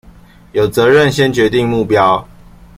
有責任先決定目標